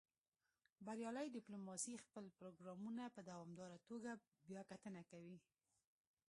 بریالۍ ډیپلوماسي خپل پروګرامونه په دوامداره توګه بیاکتنه کوي